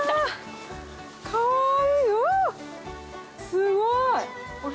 すごい！